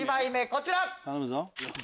こちら。